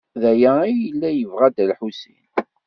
D aya ay yella yebɣa Dda Lḥusin?